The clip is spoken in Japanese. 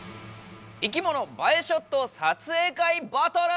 「いきもの映えショット撮影会バトル！」。